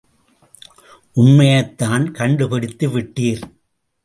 உண்மையைத்தான் கண்டுபிடித்து விட்டீர்.